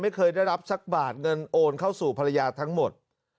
ไม่เคยได้รับสักบาทเงินโอนเข้าสู่ภรรยาทั้งหมด